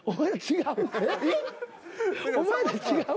えっ？お前ら違う。